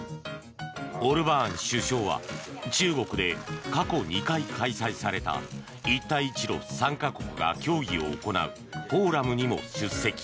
オルバーン首相は中国で過去２回開催された一帯一路参加国が協議を行うフォーラムにも出席。